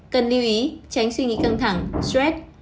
cần lưu ý tránh suy nghĩ căng thẳng stress